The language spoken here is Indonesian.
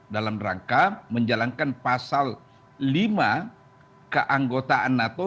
dalam rangka menjalankan pasal lima keanggotaan nato